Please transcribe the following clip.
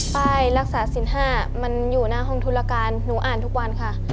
ป้ายรักษาสินห้ามันอยู่หน้าห้องธุรการหนูอ่านทุกวันค่ะ